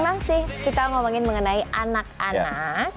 masih kita ngomongin mengenai anak anak